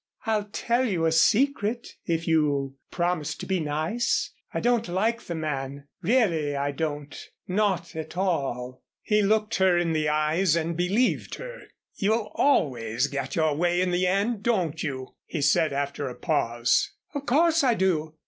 "I'll tell you a secret if you'll promise to be nice. I don't like the man really I don't not at all." He looked in her eyes and believed her. "You always get your way in the end, don't you?" he said, after a pause. "Of course I do.